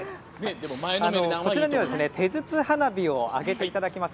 こちらでは、手筒花火を揚げていただきます。